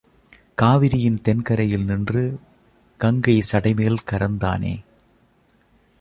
காவிரியின் தென் கரையில் நின்று, கங்கை சடைமேல் கரந்தானே!